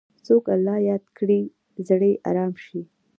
څوک الله یاد کړي، زړه یې ارام شي.